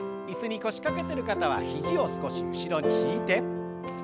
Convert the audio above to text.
椅子に腰掛けてる方は肘を少し後ろに引いて。